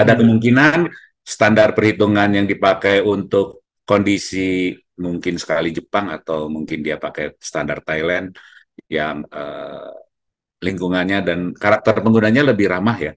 ada kemungkinan standar perhitungan yang dipakai untuk kondisi mungkin sekali jepang atau mungkin dia pakai standar thailand yang lingkungannya dan karakter penggunanya lebih ramah ya